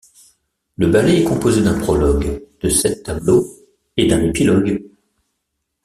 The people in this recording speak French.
Le ballet est composé d'un prologue, de sept tableaux et d'un épilogue.